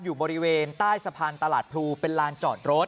อยู่บริเวณใต้สะพานตลาดพลูเป็นลานจอดรถ